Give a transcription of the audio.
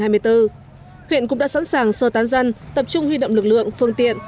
huyện cũng đã sẵn sàng sơ tán dân tập trung huy động lực lượng phương tiện